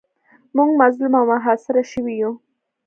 موږ مظلوم او محاصره شوي یو.